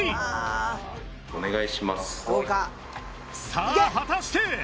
さあ果たして。